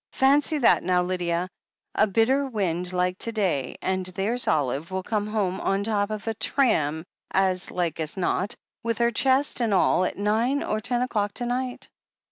"Fancy that now, Lydia ! A bitter wind like to day and there's Olive will come home, on the top of a tram as like as not, with her chest and all, at nine or ten o'clock to night."